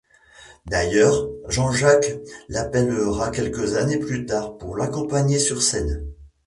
D'ailleurs Jean-Jacques l'appellera quelques années plus tard pour l'accompagner sur scène.